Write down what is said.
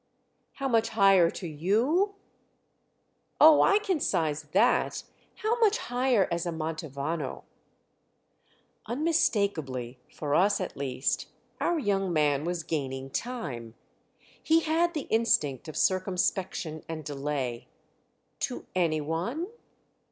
"How much higher to you?" "Oh, I can size that. How much higher as a Mantovano?" Unmistakably—for us at least—our young man was gaining time; he had the instinct of circumspection and delay. "To any one?"